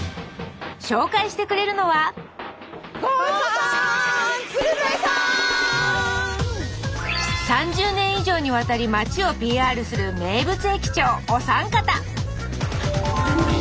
紹介してくれるのは３０年以上にわたり町をＰＲする名物駅長お三方